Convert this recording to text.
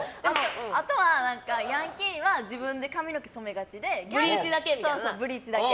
あとは、ヤンキーは自分で髪の毛染めがちでブリーチだけ。